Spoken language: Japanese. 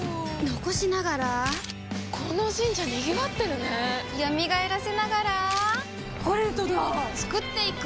残しながらこの神社賑わってるね蘇らせながらコレドだ創っていく！